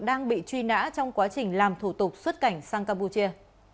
đang bị truy nã trong quá trình làm thủ tục xuất cảnh sang campuchia